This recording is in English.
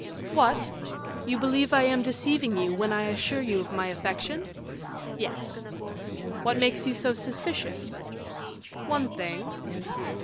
"What! you believe I am deceiving you, when I assure you of my affection?" "Yes." "What makes you so suspicious?" "One thing."